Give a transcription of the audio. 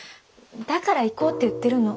だから行こうって言ってるの。